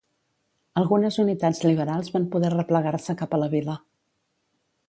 Algunes unitats liberals van poder replegar-se cap a la vila.